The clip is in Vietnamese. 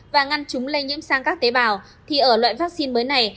và ngăn chúng lây nhiễm sang các tế bào thì ở loại vaccine mới này